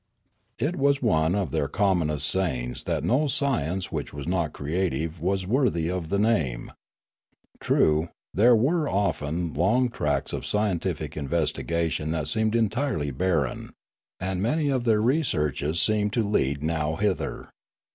It was one of their commonest sayings that no science which was not creative was worthy of the name. True, there were often long tracts of scientific investigation that seemed eutirely barren; and many of their re searches seemed to lead nowhither.